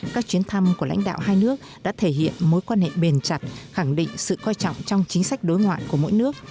các chuyến thăm của lãnh đạo hai nước đã thể hiện mối quan hệ bền chặt khẳng định sự coi trọng trong chính sách đối ngoại của mỗi nước